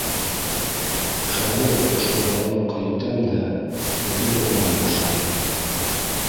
Хәҙер ошо боралыҡҡа етәм дә, беҙҙең урам башлана.